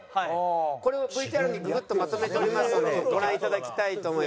これをＶＴＲにググッとまとめておりますのでご覧いただきたいと思います。